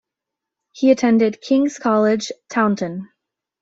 He attended King's College, Taunton.